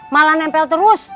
malah nempel terus